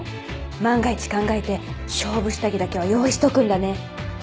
万が一考えて勝負下着だけは用意しとくんだね。